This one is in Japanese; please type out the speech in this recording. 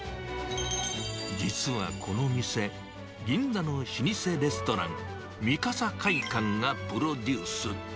実はこの店、銀座の老舗レストラン、三笠会館がプロデュース。